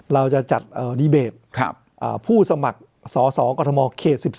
เราจะจัดดีเบตผู้สมัครสอสอกรทมเขต๑๒